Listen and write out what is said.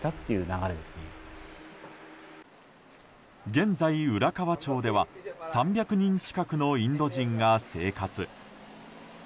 現在、浦河町では３００人近くのインド人が生活。